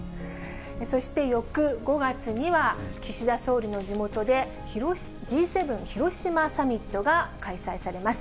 そして翌５月には、岸田総理の地元で、Ｇ７広島サミットが開催されます。